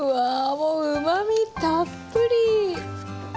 もううまみたっぷり。